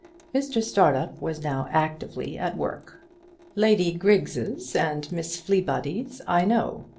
Mr Startup was now actively at work. "Lady Griggs's and Miss Fleebody's I know.